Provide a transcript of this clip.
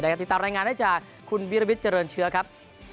ติดตามรายงานได้จากคุณวิรวิทย์เจริญเชื้อครับ